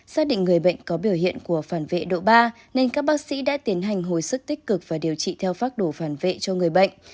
xác định người bệnh có biểu hiện của phản vệ độ ba nên các bác sĩ đã tiến hành hồi sức tích cực và điều trị theo phác đồ phản vệ cho người bệnh